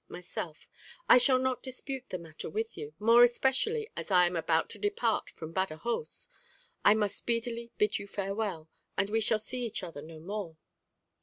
Myself I shall not dispute the matter with you, more especially as I am about to depart from Badajoz: I must speedily bid you farewell, and we shall see each other no more.